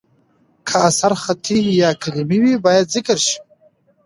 که اثر خطي یا قلمي وي، باید ذکر شي.